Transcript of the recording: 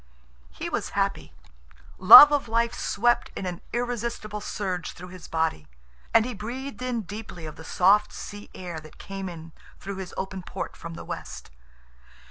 He was happy. Love of life swept in an irresistible surge through his body, and he breathed in deeply of the soft sea air that came in through his open port from the west.